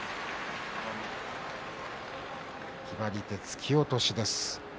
決まり手突き落としです。